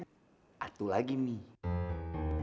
satu lagi mie